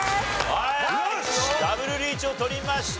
はいはいダブルリーチを取りました。